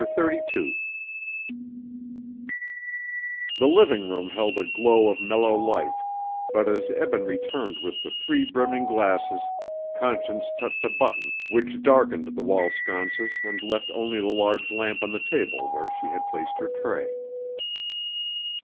CHAPTER XXXII The living room held a glow of mellow light, but as Eben returned with the three brimming glasses, Conscience touched a button which darkened the wall sconces and left only the large lamp on the table, where she had placed her tray.